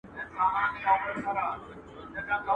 نور ئې نور، عثمان ته لا هم غورځېدى.